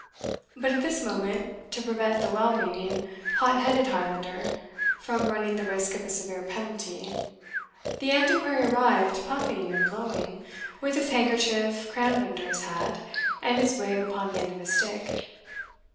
But at this moment, to prevent the well meaning hot headed Highlander from running the risk of a severe penalty, the Antiquary arrived puffing and blowing, with his handkerchief crammed under his hat, and his wig upon the end of his stick.